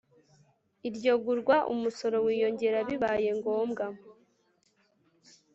Iryo gurwa umusoro wiyongera bibaye ngombwa